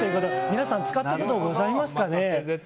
皆さん使ったことありますかね。